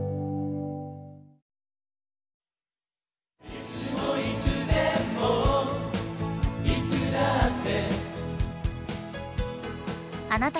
「いつもいつでもいつだって」